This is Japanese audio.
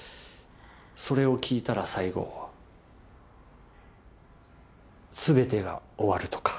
それを聞いたら最後全てが終わるとか。